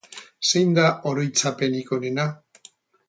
Zein da oroitzapenik onena?